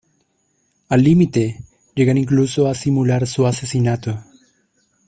Al límite, llegan incluso a simular su asesinato.